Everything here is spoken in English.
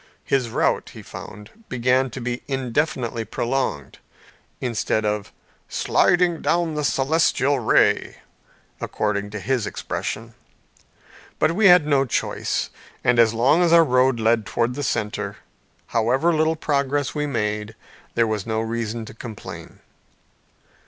His route, he found, began to be indefinitely prolonged, instead of "sliding down the celestial ray," according to his expression. But we had no choice; and as long as our road led towards the centre however little progress we made, there was no reason to complain.